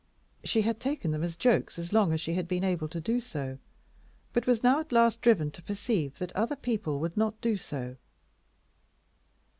She had taken them as jokes as long as she had been able to do so, but was now at last driven to perceive that other people would not do so.